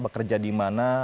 bekerja di mana